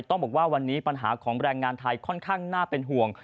ต้องบอกว่าวันนี้ปัญหาของแรงงานไทยค่อนข้างน่าเป็นห่วง